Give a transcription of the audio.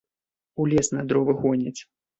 У лес на дровы гоняць.